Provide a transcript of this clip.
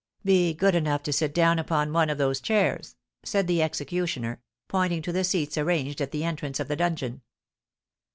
"Be good enough to sit down upon one of those chairs," said the executioner, pointing to the seats arranged at the entrance of the dungeon.